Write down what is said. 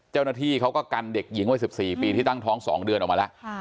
เจ้าหน้าที่เขาก็กันเด็กหญิงไว้สิบสี่ปีที่ตั้งท้องสองเดือนออกมาแล้วค่ะ